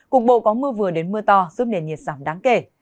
cục bộ có mưa vừa đến mưa to giúp nền nhiệt giảm đáng kể